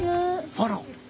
あら！